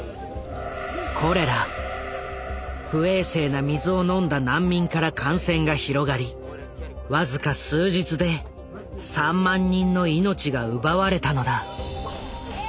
不衛生な水を飲んだ難民から感染が広がり僅か数日で３万人の命が奪われたのだ。